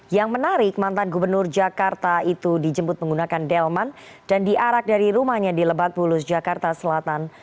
yang menarik mantan gubernur jakarta itu dijemput menggunakan delman dan diarak dari rumahnya di lebak bulus jakarta selatan